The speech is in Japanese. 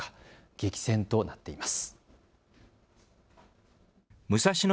激戦となっています。